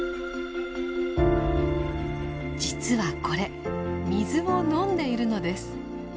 実はこれ水を飲んでいるのです。